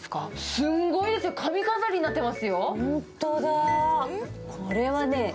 すんごいですよ、髪飾りになってますよ。